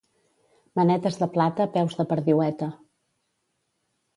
Manetes de plata, peus de perdiueta.